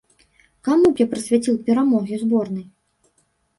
Каму б я прысвяціў перамогі зборнай?